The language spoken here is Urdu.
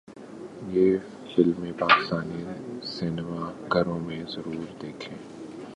یہ فلمیں پاکستانی سینما گھروں میں ضرور دیکھیں